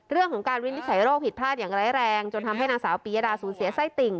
เรื่องของการวินิจฉัยโรคผิดพลาดอย่างไร้แรงจนทำให้นางสาวปียดาสูญเสียไส้ติ่ง